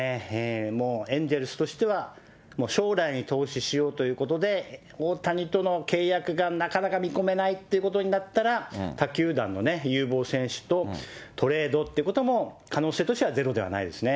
もうエンゼルスとしてはもう将来に投資しようということで、大谷との契約がなかなか見込めないということになったら、他球団の有望選手とトレードってことも、可能性としてはゼロではないですね。